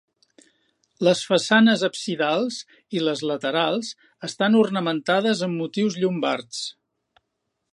Les façanes absidals i les laterals estan ornamentades amb motius llombards.